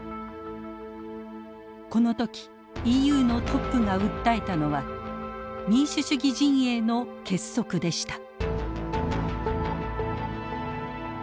この時ＥＵのトップが訴えたのは民主主義陣営の結束でした。